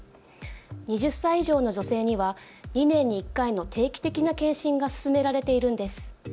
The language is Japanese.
２０歳以上の女性には２年に１回の定期的な検診が勧められているんです。